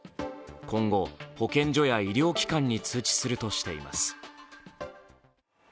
今後、保健所や医療機関に通知するとしています。